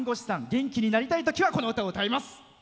元気になりたい時はこの歌を歌います。